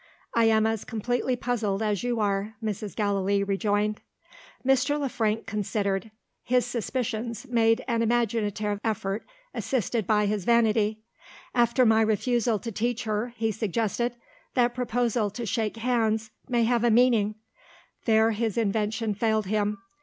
"I am as completely puzzled as you are," Mrs. Gallilee rejoined. Mr. Le Frank considered. His suspicions made an imaginative effort, assisted by his vanity. "After my refusal to teach her," he suggested, "that proposal to shake hands may have a meaning " There, his invention failed him.